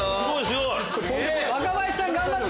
若林さん頑張って！